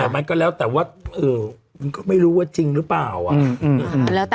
แต่มันก็แล้วแต่ว่ามันก็ไม่รู้ว่าจริงหรือเปล่า